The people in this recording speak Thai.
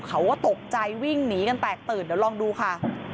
เขาก็ตกใจวิ่งหนีกันแตกตื่นเดี๋ยวลองดูค่ะ